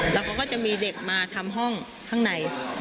แล้วเขาก็จะมีเด็กมาทำห้องข้างใน